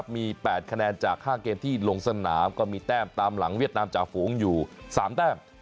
มี๘คะแนนจาก๕เกมที่ลงสนามก็มีแต้มตามหลังเวียดนามจ่าฝูงอยู่๓แต้ม